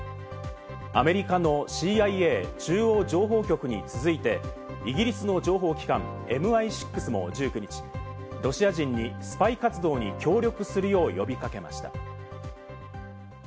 アメリカのＣＩＡ＝中央情報局に続いてイギリスの情報機関・ＭＩ６も１９日、ロシア人にスパイ活動に協力するよう呼び掛けました。